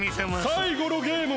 最後のゲームは。